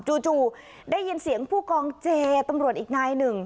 จู่ได้ยินเสียงผู้กองเจตำรวจอีกนายหนึ่ง